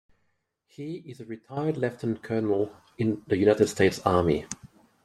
He is a retired lieutenant colonel in the United States Army.